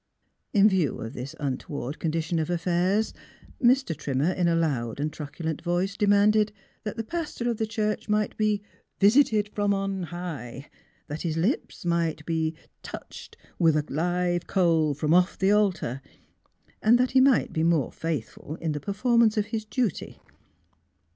In view of this untoward condition of affairs, Mr. Trimmer, in a loud and truculent voice, demanded that' the pastor of the church might be " visited from on high;" that his lips might be " touched with a live coal from off the altar, '' and that he might be more faithful in the performance of his duty.